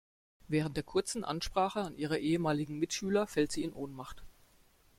Während der kurzen Ansprache an ihre ehemaligen Mitschüler fällt sie in Ohnmacht.